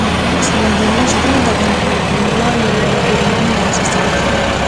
سمندر نه شتون د افغانستان د بڼوالۍ یوه ډېره مهمه او اساسي برخه ده.